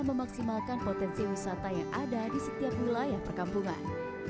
memaksimalkan potensi wisata yang ada di setiap wilayah perkampungan